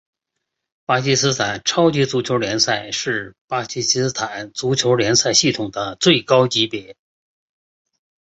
巴基斯坦超级足球联赛是巴基斯坦足球联赛系统的最高级别。